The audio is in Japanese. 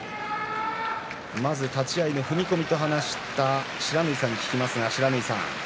まず立ち合いの踏み込みと話した不知火さんに伺います。